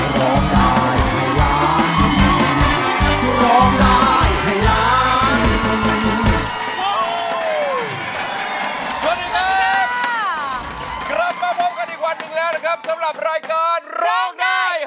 ร้องได้ให้ร้าน